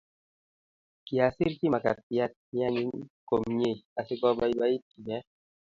Kyasirchi makatiat neanyiny komnyei asigobaibait ine